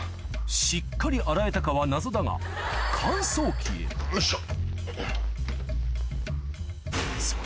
しっかり洗えたかは謎だがよいしょ。